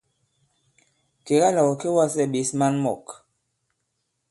Kèga là ɔ̀ kê wa᷇slɛ ɓěs maŋ mɔ̂k.